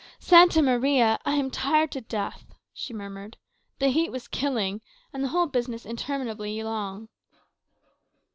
"Santa Maria! I am tired to death," she murmured. "The heat was killing; and the whole business interminably long."